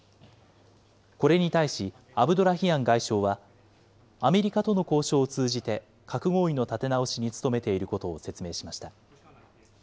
これに対し、アブドラヒアン外相はアメリカとの交渉を通じて、核合意の立て直しに努めていることを説明しました。